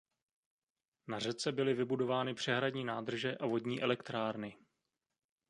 Na řece byly vybudovány přehradní nádrže a vodní elektrárny.